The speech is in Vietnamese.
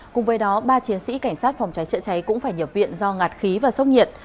cùng với đó ba chiến sĩ cảnh sát phòng cháy chữa cháy cũng phải nhập viện do ngạt khí và sốc nhiệt